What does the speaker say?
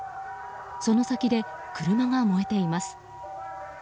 その先で車が燃えています。